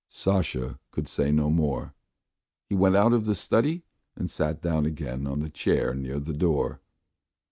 Sasha could say no more. He went out of the study and sat down again on the chair near the door.